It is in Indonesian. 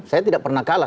saya tidak pernah kalah